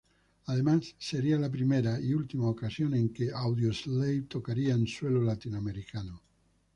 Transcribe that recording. Además sería la primera y última ocasión en que Audioslave tocaría en suelo latinoamericano.